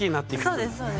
そうですそうです。